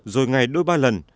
rồi ngày đôi ba lần